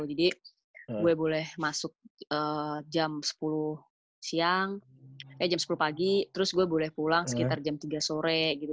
jadi gue boleh masuk jam sepuluh siang ya jam sepuluh pagi terus gue boleh pulang sekitar jam tiga sore gitu